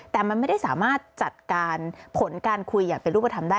แต่มันไม่ได้สามารถจัดการผลการคุยอย่างเป็นรูปธรรมได้